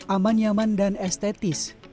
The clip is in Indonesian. aman yaman dan estetis